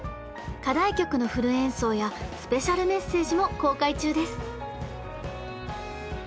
課題曲のフル演奏やスペシャルメッセージも公開中です！